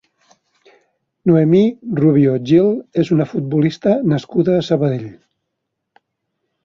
Noemí Rubio Gil és una futbolista nascuda a Sabadell.